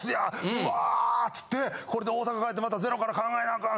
うわ！つってこれで大阪帰ってまたゼロから考えなアカン。